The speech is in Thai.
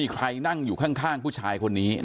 คร้าย